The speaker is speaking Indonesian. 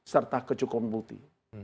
serta kecukupan bukti